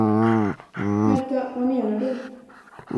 Vänta, vad menar du?